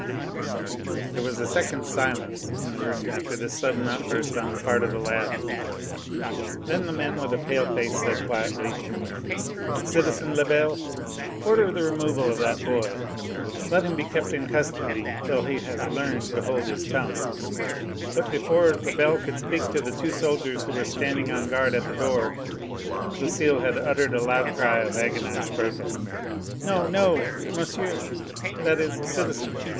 There was a second's silence in the room after this sudden outburst on the part of the lad. Then the man with the pale face said quietly: "Citizen Lebel, order the removal of that boy. Let him be kept in custody till he has learned to hold his tongue." But before Lebel could speak to the two soldiers who were standing on guard at the door, Lucile had uttered a loud cry of agonised protest. "No! no! monsieur! that is citizen!"